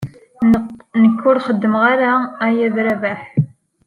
Nekk ur xeddmeɣ ara aya d Rabaḥ.